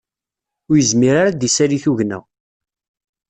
Ur yezmir ara ad d-isali tugna